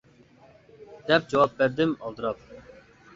- دەپ جاۋاب بەردىم ئالدىراپ.